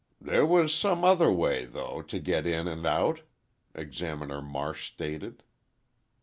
"There was some other way, though, to get in and out," Examiner Marsh stated.